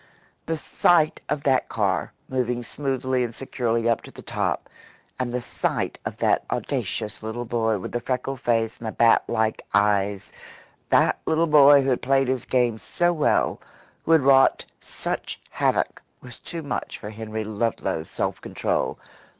The sight of that car, moving smoothly and securely up to the top, and the sight of that audacious little boy with the freckled face and the bat like eyes, that little boy who had played his game so well, who had wrought such havoc, was too much for Henry Ludlow's self control.